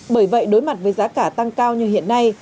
bởi vậy đối mặt với giá cả tăng cao như hiện nay